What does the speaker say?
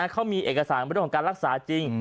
เขามีเอกสารเรื่องของการรักษาจริง